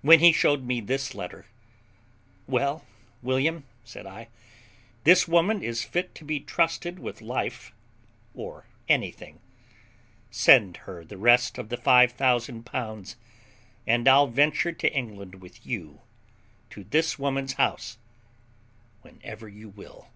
When he showed me this letter, "Well, William," said I, "this woman is fit to be trusted with life or anything; send her the rest of the five thousand pounds, and I'll venture to England with you, to this woman's house, whenever you will."